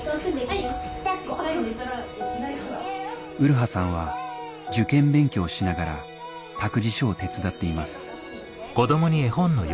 麗さんは受験勉強をしながら託児所を手伝っています